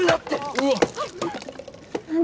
うわっ何？